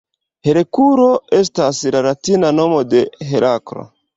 Herkulo estas la latina nomo de Heraklo.